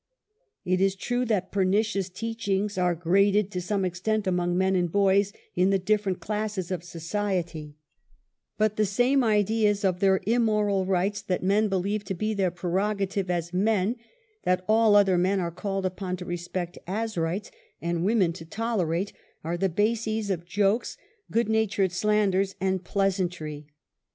It is true that perni^ous teachings are graded to some extent among men and boys in the different classes of society, but the same ideas of their im moral rights that men believe to be their preroga tives as men^ tliat all other men are called upon to respect as rights and women to tolerate, are the bases of jokes, good natured slanders and pleasantry.